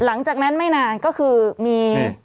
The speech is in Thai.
หลังจากนั้นไม่นานก็คือมี